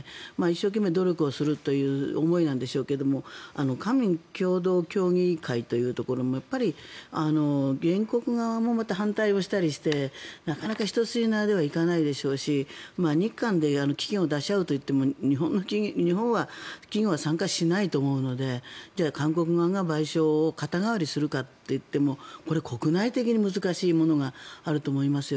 一生懸命努力をするという思いなんでしょうけど官民共同協議会というところもやっぱり原告側もまた反対をしたりしてなかなか一筋縄ではいかないでしょうし日韓で基金を出し合うと言っても日本の企業は参加しないと思うので韓国側が賠償を肩代わりするかといってもこれ国外的に難しいものがあると思います。